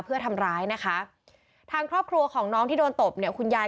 เพื่อทำร้ายนะคะทางครอบครัวของน้องที่โดนตบเนี่ยคุณยาย